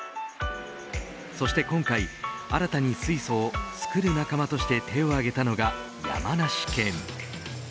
そして今回、新たに水素を作る仲間として手を挙げたのが山梨県。